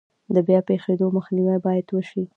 د بیا پیښیدو مخنیوی باید وشي.